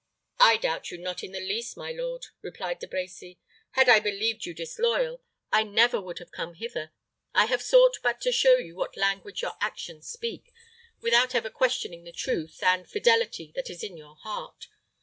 "I doubt you not in the least, my lord," replied De Brecy. "Had I believed you disloyal, I never would have come hither. I have sought but to show you what language your actions speak, without ever questioning the truth and, fidelity that is in your heart.